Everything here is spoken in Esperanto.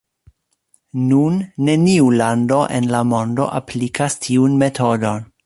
Nun neniu lando en la mondo aplikas tiun metodon.